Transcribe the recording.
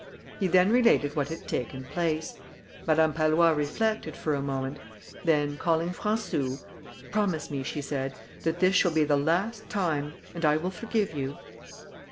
He then related what had taken place. Madame Pallois reflected for a moment; then, calling Françou, "Promise me," she said, "that this shall be the last time, and I will forgive you."